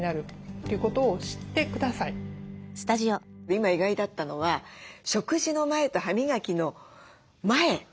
今意外だったのは食事の前と歯磨きの前。